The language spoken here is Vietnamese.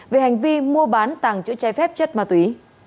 về hành vi mua bán tàng trữ chai phép chất ma túy